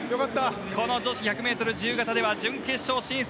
この女子１００ｍ自由形では準決勝進出。